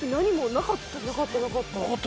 なかったなかった。